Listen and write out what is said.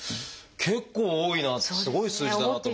結構多いなってすごい数字だなって。